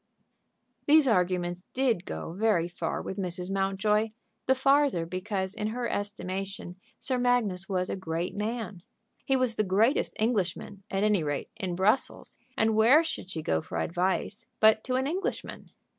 These arguments did go very far with Mrs. Mountjoy, the farther because in her estimation Sir Magnus was a great man. He was the greatest Englishman, at any rate, in Brussels, and where should she go for advice but to an Englishman?